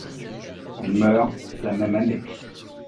Il meurt la même année.